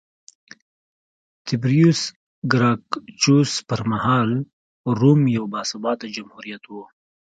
تیبریوس ګراکچوس پرمهال روم یو باثباته جمهوریت و